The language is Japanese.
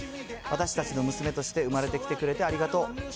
私たちの娘として生まれてきてくれてありがとう。